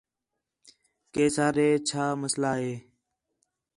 کہ سر ہے چَھا مسئلہ ہے